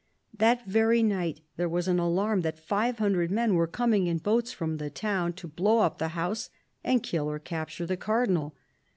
That very night there was an alarm that five hundred men were coming in boats from the town, to blow up the house and kill or capture the Cardinal.